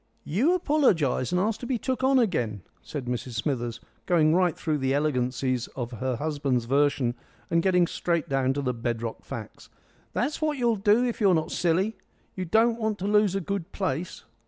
"You apologise and ask to be took on again," said Mrs Smithers, going right through the elegancies of her husband's version and getting straight down to the bedrock facts. "That's what you'll do if you're not silly. You don't want to lose a good place."